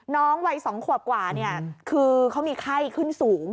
น้องวัย๒ขวบกว่าคือเขามีไข้ขึ้นสูง